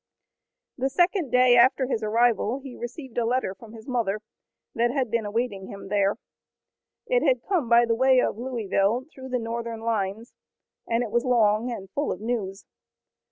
The second day after his arrival he received a letter from his mother that had been awaiting him there. It had come by the way of Louisville through the Northern lines, and it was long and full of news.